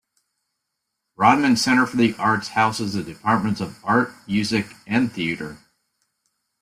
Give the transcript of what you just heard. Rodman Center for the Arts houses the Departments of Art, Music, and Theater.